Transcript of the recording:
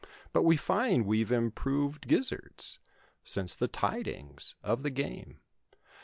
But we find we've improved gizzards Since the tidings of the game.